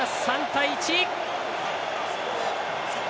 ３対１。